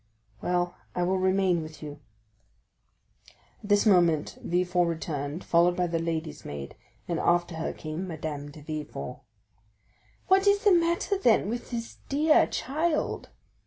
"Well, I will remain with you." At this moment Villefort returned, followed by the lady's maid; and after her came Madame de Villefort. "What is the matter, then, with this dear child?